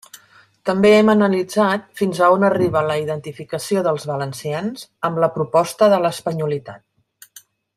També hem analitzat fins a on arriba la identificació dels valencians amb la proposta de l'espanyolitat.